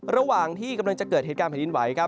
ระหว่างที่กำลังจะเกิดเหตุการณ์แผ่นดินไหวครับ